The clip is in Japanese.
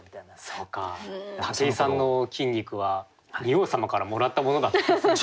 そうか武井さんの筋肉は仁王様からもらったものだったんですね。